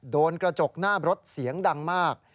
โดนกระจกหน้ารถเสียงดังมาก